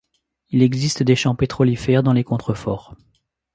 Il existe des champs pétrolifères dans les contreforts.